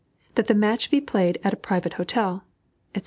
That the match be played at a private hotel," etc.